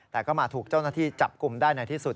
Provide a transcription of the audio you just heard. แต่ก็มาถูกเจ้าหน้าที่จับกลุ่มได้ในที่สุด